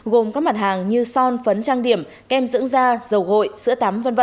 gồm các mặt hàng như son phấn trang điểm kem dưỡng da dầu gội sữa tắm v v